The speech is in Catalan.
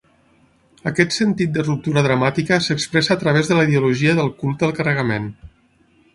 Aquest sentit de ruptura dramàtica s'expressa a través de la ideologia del culte al carregament.